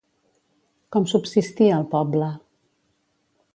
Com subsistia el poble?